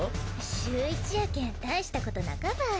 週１やけん大したことなかばい。